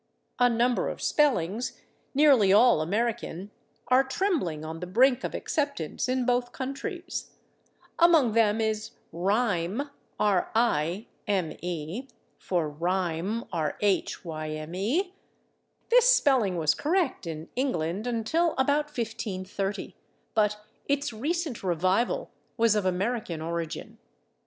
A number of spellings, nearly all American, are trembling on the brink of acceptance in both countries. Among them is /rime/ (for /rhyme/). This spelling was correct in England until about 1530, but its recent revival was of American origin.